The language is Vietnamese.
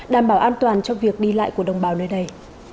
đảm bảo an toàn cho việc đi lại của đồng bào nơi đây